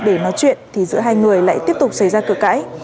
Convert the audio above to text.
để nói chuyện thì giữa hai người lại tiếp tục xảy ra cửa cãi